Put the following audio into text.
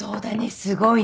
すごいね。